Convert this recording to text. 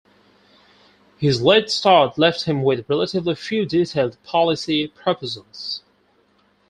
His late start left him with relatively few detailed policy proposals.